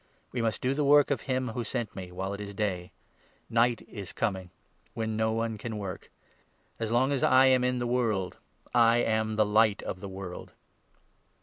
We must do the work of him who sent me, while it is 4 day ; night is coming, when no one can work. As long as I 5 am in the world, I am the Light of the world."